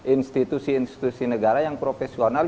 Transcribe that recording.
institusi institusi negara yang profesional